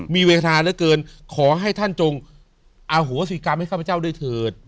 มีเวทนาเหลือเกินขอให้ท่านจงอโหสิกรรมให้ข้าพเจ้าด้วยเถิด